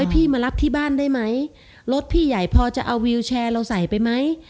พี่มารับที่บ้านได้ไหมรถพี่ใหญ่พอจะเอาวิวแชร์เราใส่ไปไหม